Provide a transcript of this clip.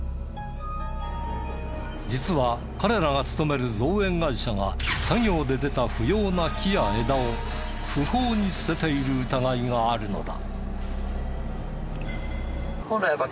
実は彼らが勤める造園会社が作業で出た不要な木や枝を不法に捨てている疑いがあるのだ。